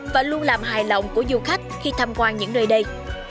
và luôn làm hài lòng của du khách khi tham quan những nơi đây